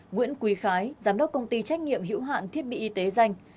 nguyễn quý khái giám đốc công ty trách nhiệm hữu hạn thiết bị y tế danh